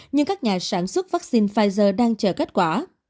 nhưng các nhà sản xuất vaccine pfizer đang chờ kết quả